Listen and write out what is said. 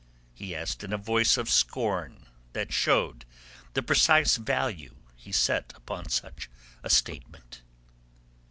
he asked in a voice of scorn that showed the precise value he set upon such a statement.